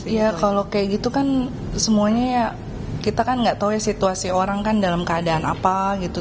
ya kalau kayak gitu kan semuanya ya kita kan gak tau ya situasi orang kan dalam keadaan apa gitu